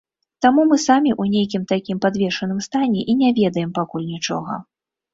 Таму мы самі ў нейкім такім падвешаным стане і не ведаем пакуль нічога.